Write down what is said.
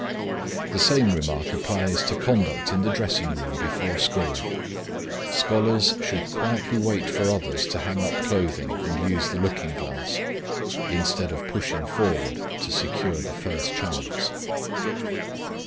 The same remark applies to conduct in the dressing room before school. Scholars should quietly wait for others to hang up clothing and use the looking glass, instead of pushing forward to secure the first chance.